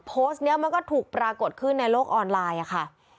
โพสต์นี้มันก็ถูกปรากฏขึ้นในโลกออนไลน์ค่ะ